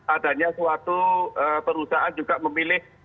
adanya suatu perusahaan juga memilih